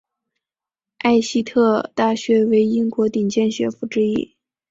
艾希特大学为英国顶尖学府之一。